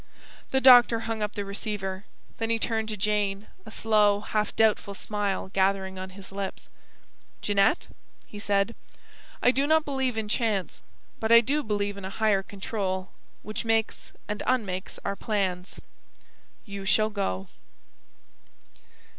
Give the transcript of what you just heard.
The doctor hung up the receiver. Then he turned to Jane; a slow, half doubtful smile gathering on his lips. "Jeanette," he said, "I do not believe in chance. But I do believe in a Higher Control, which makes and unmakes our plans. You shall go."